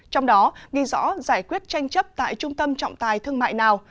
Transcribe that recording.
trong đó ghi rõ giải quyết tranh chấp tại trung tâm trọng tài thương mại nào